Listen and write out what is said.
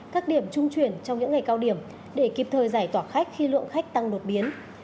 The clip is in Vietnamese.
các điểm trung chuyển trong những ngày cao điểm để kịp thời giải tỏa khách khi lượng khách tăng đột biến